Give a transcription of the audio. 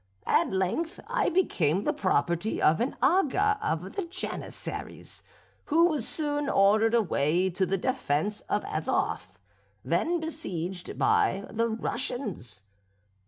At length I became the property of an Aga of the Janissaries, who was soon ordered away to the defence of Azof, then besieged by the Russians.